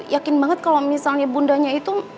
yakin banget kalau misalnya bundanya itu